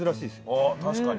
あっ確かに。